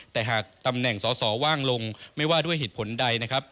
แต่หากตำแหน่งสอสอว่างลงไม่ว่าด้วยเหตุผลใดนะครับ